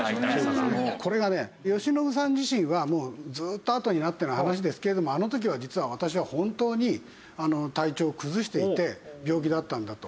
これがね慶喜さん自身はもうずっとあとになっての話ですけれどもあの時は実は私は本当に体調を崩していて病気だったんだと。